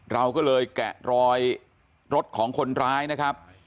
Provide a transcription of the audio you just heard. เราก็เลยแกะรอยรถของคนร้ายนะครับ